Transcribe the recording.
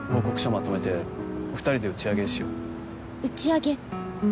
まとめて２人で打ち上げしよう打ち上げ？